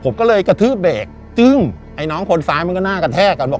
ผมก็เลยกระทืบเบรกจึ้งไอ้น้องคนซ้ายมันก็น่ากระแทกกันบอก